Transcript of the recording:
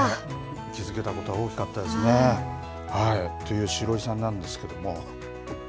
気付けたことは大きかったですね。というシロイさんなんですけれども。